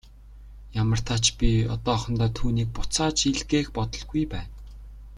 Ямартаа ч би одоохондоо түүнийг буцааж илгээх бодолгүй байна.